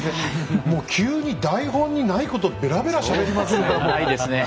もう急に台本にないことべらべらしゃべりますね。